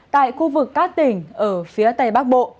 tại khu vực các tỉnh ở phía tây bắc bộ